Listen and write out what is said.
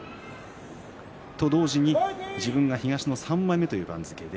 同時に自分が東の３枚目という番付。